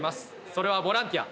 それはボランティア。